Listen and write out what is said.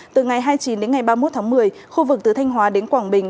từ ngày hai mươi chín đến ngày ba mươi một tháng một mươi khu vực từ thanh hóa đến quảng bình